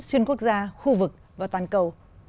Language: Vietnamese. xuyên quốc gia khu vực và toàn cầu